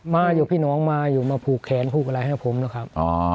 มาอยู่พี่น้องมาอยู่มาผูกแขนผูกอะไรให้ผมนะครับ